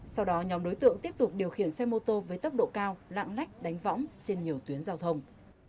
sau đó nhóm đối tượng tiếp tục điều khiển xe mô tô với tốc độ cao lạng lách đánh võng trên nhiều tuyến giao thông